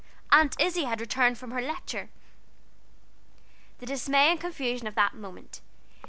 Aunt Izzie had returned from her Lecture. The dismay and confusion of that moment!